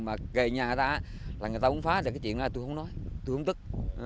mà kề nhà ra là người ta muốn phá thì cái chuyện này tôi không nói tôi không tức